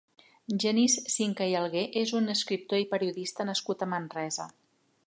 Genís Sinca i Algué és un escriptor i periodista nascut a Manresa.